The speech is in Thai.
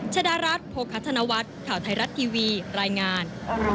ชดารัฐโภคธนวัฒน์ข่าวไทยรัฐทีวีรายงาน